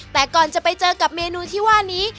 แต่ก่อนจะไปเจอกับเมนูที่ว่านี้